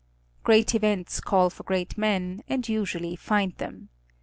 Great events call for great men, and usually find them.